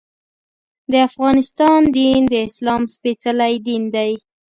د افغانستان دین د اسلام سپېڅلی دین دی.